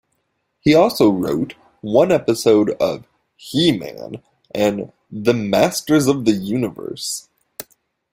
He also wrote one episode of "He-Man and the Masters of the Universe".